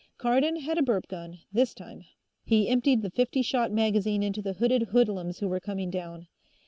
Cardon had a burp gun, this time; he emptied the fifty shot magazine into the hooded hoodlums who were coming down.